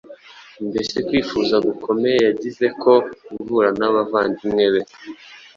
Mbese kwifuza gukomeye yagize ko guhura n’abavandimwe be